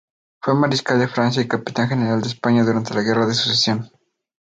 Fue mariscal de Francia y capitán general de España durante la guerra de Sucesión.